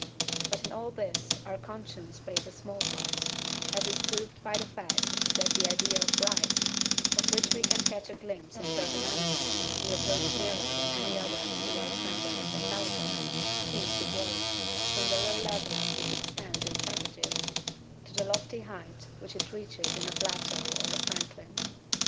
But in all this our conscience plays a small part, as is proved by the fact that the idea of RIGHT of which we catch a glimpse in certain animals who approach nearer than any others to our standard of intelligence seems to grow, from the low level at which it stands in savages, to the lofty height which it reaches in a Plato or a Franklin.